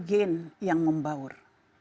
gen yang membaur